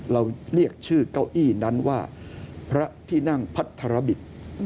เราเรียกชื่อเก้าอี้นั้นว่าพระที่นั่งพัทรบิต